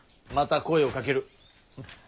また声をかける。